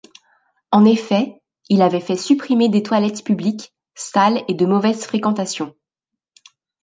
En effet, il avait fait supprimer des toilettes publiques, sales et de mauvaise fréquentation.